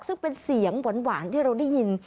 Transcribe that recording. ซึ่งเป็นเสียงหวานที่เราได้ยิน